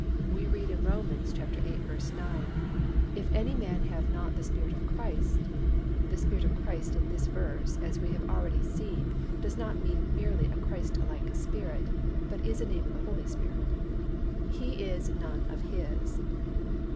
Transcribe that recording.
We read in Rom. viii. 9, "If any man have not the Spirit of Christ (the Spirit of Christ in this verse, as we have already seen, does not mean merely a Christlike spirit, but is a name of the Holy Spirit) he is none of His."